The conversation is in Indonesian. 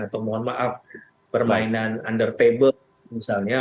atau mohon maaf permainan under table misalnya